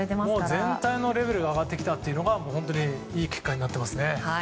全体のレベルが上がってきたというのがいい結果になってますね。